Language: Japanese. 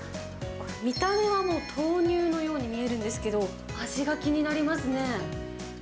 見た目はもう豆乳のように見えるんですけど、味が気になりますね。